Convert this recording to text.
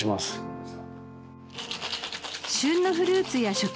どうぞ。